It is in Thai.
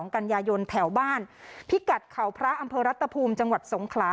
กันยายนแถวบ้านพิกัดเขาพระอำเภอรัตภูมิจังหวัดสงขลา